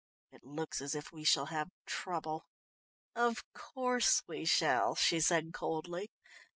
"It looks as if we shall have trouble." "Of course we shall," she said coldly.